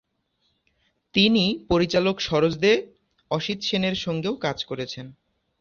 তিনি পরিচালক সরোজ দে, অসিত সেনের সঙ্গেও কাজ করেছেন।